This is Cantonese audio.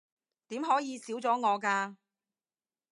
點可以少咗我㗎